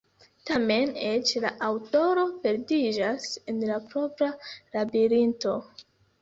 Tamen, eĉ la aŭtoro perdiĝas en la propra labirinto.